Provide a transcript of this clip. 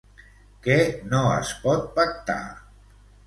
Què no es pot pactar?